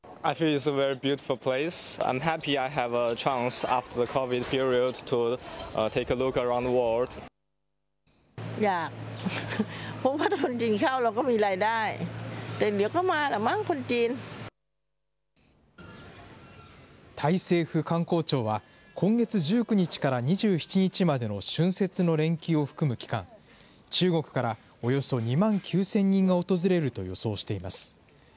タイ政府観光庁は、今月１９日から２７日までの春節の連休を含む期間、中国からおよそ２万９０００人が訪れると予想しています。